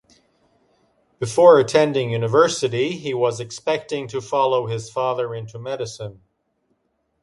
Before attending university, he was expecting to follow his father into medicine.